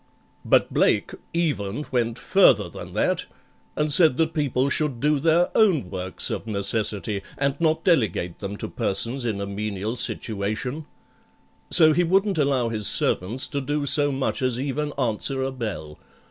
But BLAKE even went further than that, and said that people should do their own works of necessity, and not delegate them to persons in a menial situation, So he wouldn't allow his servants to do so much as even answer a bell.